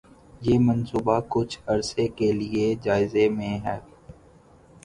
یہ منصوبہ کچھ عرصہ کے لیے جائزے میں ہے